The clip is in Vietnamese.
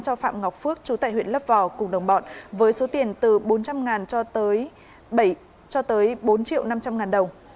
cho phạm ngọc phước trú tại huyện lấp vò cùng đồng bọn với số tiền từ bốn trăm linh cho tới bốn triệu năm trăm linh ngàn đồng